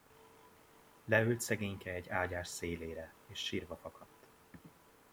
Leült szegényke egy ágyás szélére, és sírva fakadt.